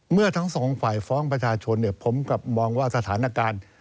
เมื่อทั้งสองฝ่ายฟ้องประชาชนผมกลับมองว่าสถานการณ์